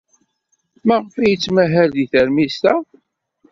Maɣef ay yettmahal deg teṛmist-a?